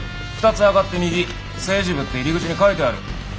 ２つ上がって右「政治部」って入り口に書いてある。